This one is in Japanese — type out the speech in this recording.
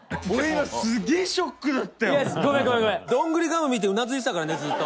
トシ：どんぐりガム見てうなずいてたからね、ずっと。